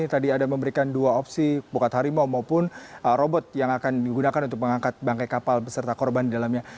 tadi ada memberikan dua opsi bokat harimau maupun robot yang akan digunakan untuk mengangkat bangkai kapal beserta korban di dalamnya